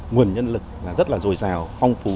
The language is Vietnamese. nguồn nhân lực rất là dồi dào phong phú